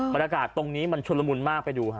บรรยากาศตรงนี้มันชุนละมุนมากไปดูฮะ